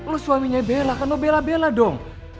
lo suaminya bella kan lo bella bella dong